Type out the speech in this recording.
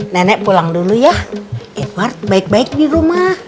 nenek pulang dulu ya evard baik baik di rumah